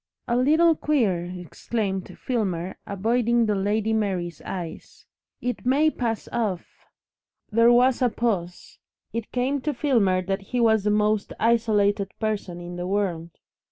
"A little queer," exclaimed Filmer, avoiding the Lady Mary's eyes. "It may pass off " There was a pause. It came to Filmer that he was the most isolated person in the world.